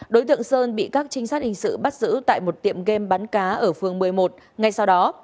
đối tượng sơn bị các trinh sát hình sự bắt giữ tại một tiệm game bắn cá ở phường một mươi một ngay sau đó